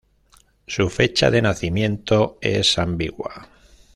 Su fecha de nacimiento es ambigua.